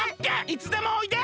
いつでもおいで！